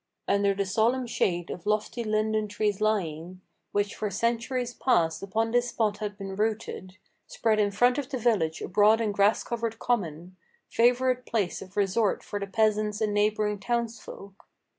Under the solemn shade of lofty linden trees lying, Which for centuries past upon this spot had been rooted, Spread in front of the village a broad and grass covered common, Favorite place of resort for the peasants and neighboring townsfolk.